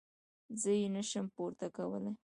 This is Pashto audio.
زه يې نه شم پورته کولاى.